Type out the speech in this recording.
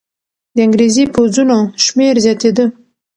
د انګریزي پوځونو شمېر زیاتېده.